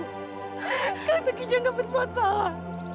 kata tukijo tidak berbuat salah